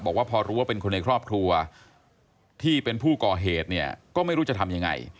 บอกว่าพอรู้ว่าเป็นคนในครอบครัวที่เป็นผู้ก่อเหตุเนี่ยก็ไม่รู้จะทำยังไง